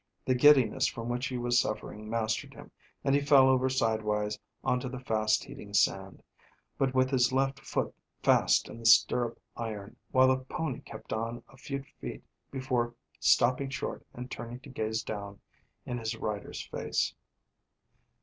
The giddiness from which he was suffering mastered him, and he fell over sidewise on to the fast heating sand, but with his left foot fast in the stirrup iron, while the pony kept on a few feet before stopping short and turning to gaze down in his rider's face.